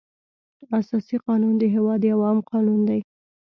اساسي قانون د هېواد یو عام قانون دی.